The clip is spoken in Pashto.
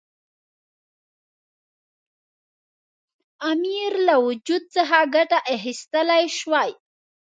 امیر له وجود څخه ګټه اخیستلای شوای.